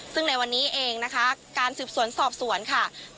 ซึ่งในวันนี้เองนะคะการสืบสวนสอบสวนค่ะ